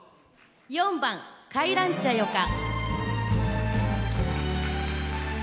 ４番「帰らんちゃよか」。